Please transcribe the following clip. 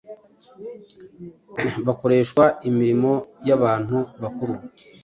bakoreshwa imirimo y’abantu bakuru.